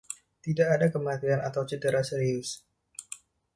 Tidak ada kematian atau cedera serius.